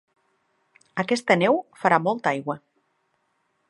Aquesta neu farà molta aigua.